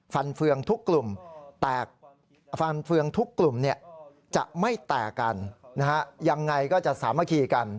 ฟันเฟืองทุกกลุ่มจะไม่แตกกันยังไงก็จะสามคีกัน